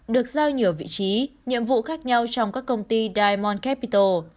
được giao nhiều vị trí nhiệm vụ khác nhau trong các công ty diamond capital